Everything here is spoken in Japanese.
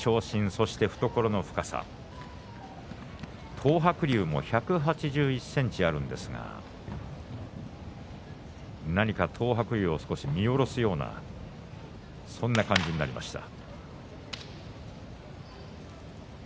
そして懐の深さ東白龍も１８１ｃｍあるんですが何か東白龍を少し見下ろすようなそんな感じになりました。